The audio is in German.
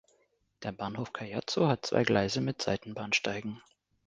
Der Bahnhof Caiazzo hat zwei Gleise mit Seitenbahnsteigen.